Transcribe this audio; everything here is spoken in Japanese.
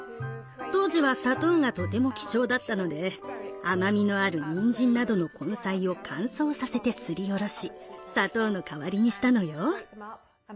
当時は砂糖がとても貴重だったので甘みのあるにんじんなどの根菜を乾燥させてすりおろし砂糖の代わりにしたのよ。